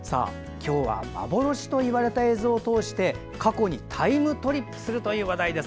今日は幻といわれた映像を通して過去にタイムとリップするという話題です。